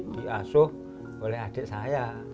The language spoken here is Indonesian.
diasuh oleh adik saya